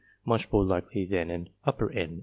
much more likely than an N.